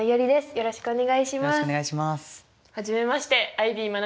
よろしくお願いします。